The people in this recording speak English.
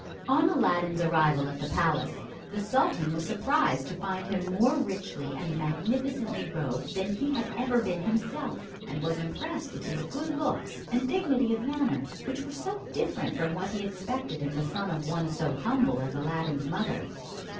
On Aladdin's arrival at the palace, the sultan was surprised to find him more richly and magnificently robed than he had ever been himself, and was impressed with his good looks and dignity of manner, which were so different from what he expected in the son of one so humble as Aladdin's mother.